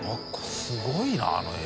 すごいなあの映像。